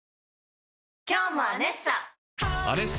今日も「アネッサ」！